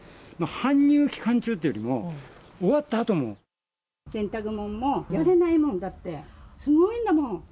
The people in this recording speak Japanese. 搬入期間中というよりも、洗濯物もやれないもん、だって、すごいんだもん。